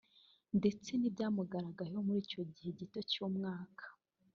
ndetse n’ibyamugaragayeho muri icyo gihe gito cy’umwaka